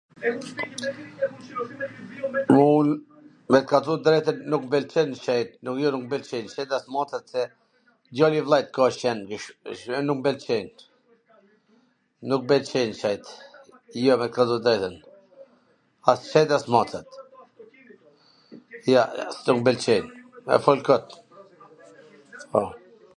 un, me ta thwn t drejtwn nuk m pwlqen, jo jo nuk mw pwlqejn qent as mocet , djal i vllait ka qen, nuk m pwlqejn qent, jo, me thwn tw drejtwn. As qent as macet.